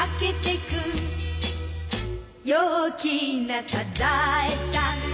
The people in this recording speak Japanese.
「陽気なサザエさん」